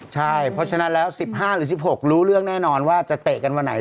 ใช่เพราะฉะนั้นแล้ว๑๕หรือ๑๖รู้เรื่องแน่นอนว่าจะเตะกันวันไหน